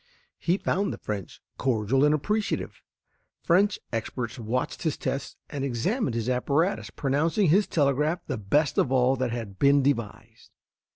He found the French cordial and appreciative. French experts watched his tests and examined his apparatus, pronouncing his telegraph the best of all that had been devised.